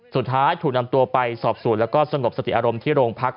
สุดท้ายถูกนำตัวไปสอบสวนแล้วก็สงบสติอารมณ์ที่โรงพัก